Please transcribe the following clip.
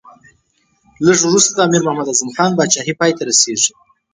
لږ وروسته د امیر محمد اعظم خان پاچهي پای ته رسېږي.